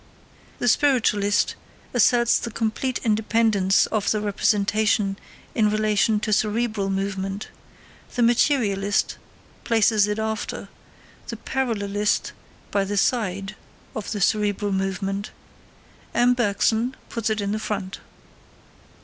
The spiritualist asserts the complete independence of the representation in relation to cerebral movement; the materialist places it after, the parallelist by the side of, the cerebral movement; M. Bergson puts it in front.